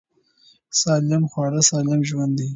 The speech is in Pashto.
سالم خواړه سالم ژوند دی.